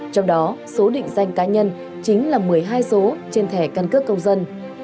trong đó số định danh cá nhân chính là một mươi hai số trên thẻ căn cước công dân